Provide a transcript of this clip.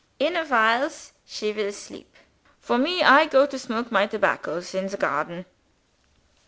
In a whiles, she will sleep. For me, I go to smoke my tobaccos in the garden.